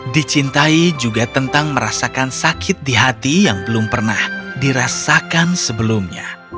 dicintai juga tentang merasakan sakit di hati yang belum pernah dirasakan sebelumnya